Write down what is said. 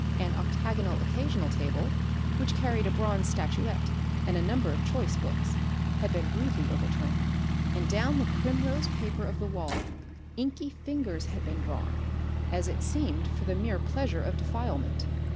An octagonal occasional table, which carried a bronze statuette and a number of choice books, had been rudely overturned, and down the primrose paper of the wall inky fingers had been drawn, as it seemed for the mere pleasure of defilement.